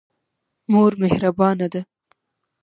مور مهربانه ده.